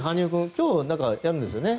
今日、やるんですね。